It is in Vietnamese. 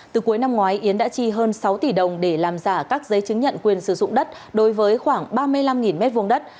từ cuối năm ngoái yến đã chi hơn sáu tỷ đồng để làm giả các giấy chứng nhận quyền sử dụng đất đối với khoảng ba mươi năm m hai đất